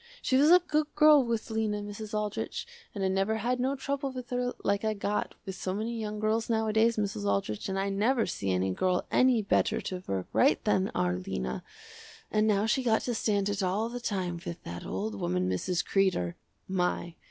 She was a good girl was Lena, Mrs. Aldrich, and I never had no trouble with her like I got with so many young girls nowadays, Mrs. Aldrich, and I never see any girl any better to work right than our Lena, and now she got to stand it all the time with that old woman Mrs. Kreder. My!